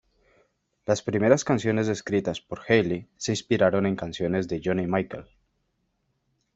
Las primeras canciones escritas por Healy se inspiraron en canciones de Joni Mitchell.